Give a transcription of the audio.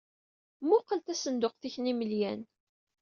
Muqel tasenduqt-ik n yimaylen.